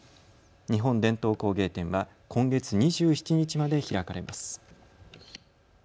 日本伝統工芸展は今月２７日まで開かれます。